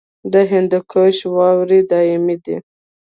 د هندوکش واورې دایمي دي